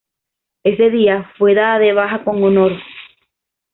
Ese día, fue dada de baja con honor.